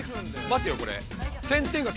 まてよこれ。